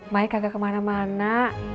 mbaknya kagak kemana mana